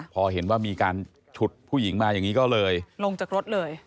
พอเห็นว่ามีการฉุดผู้หญิงมาอย่างนี้ก็เลยลงจากรถเลย